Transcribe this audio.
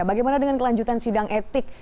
bagaimana dengan kelanjutan sidang etik